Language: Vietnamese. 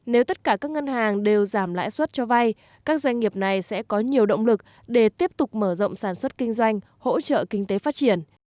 nếu tất cả các ngân hàng đều giảm lãi suất cho vay các doanh nghiệp này sẽ có nhiều động lực để tiếp tục mở rộng sản xuất kinh doanh hỗ trợ kinh tế phát triển